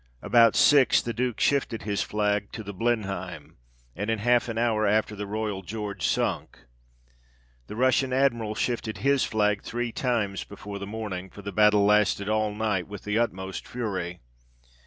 About six the Duke shifted his flag to the Blenheim, and in half an hour after the Royal George sunk. The Russian Admiral shifted his flag three times before the morning ; for the battle lasted all night with the utmost fury.